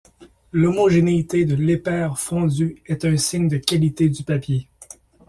L'homogénéité de l'épair fondu est un signe de qualité du papier.